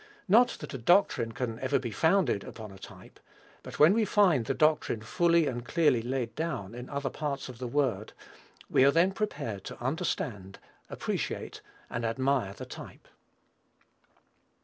Not that a doctrine can ever be founded upon a type; but when we find the doctrine fully and clearly laid down in other parts of the Word, we are then prepared to understand, appreciate, and admire the type.